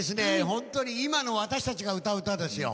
本当に今の私たちが歌う歌ですよ。